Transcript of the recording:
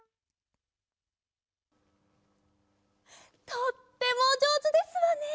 とってもおじょうずですわね！